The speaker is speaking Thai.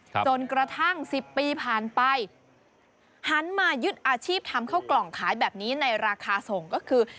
จนกระทั่งสิบปีผ่านไปหันมายึดอาชีพทำเข้ากล่องขายแบบนี้ในราคาส่งก็คือ